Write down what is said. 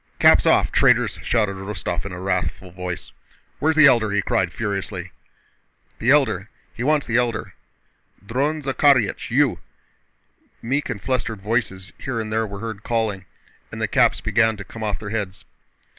"Caps off, traitors!" shouted Rostóv in a wrathful voice. "Where's the Elder?" he cried furiously. "The Elder.... He wants the Elder!... Dron Zakhárych, you!" meek and flustered voices here and there were heard calling and caps began to come off their heads.